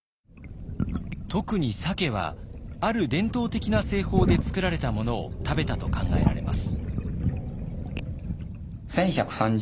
特に鮭はある伝統的な製法で作られたものを食べたと考えられます。